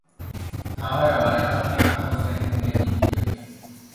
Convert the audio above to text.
تھا روایات میں آتا ہے حسین بن علی کہتے تھے